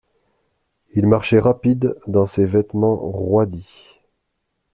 Il marchait rapide dans ces vêtements roidis.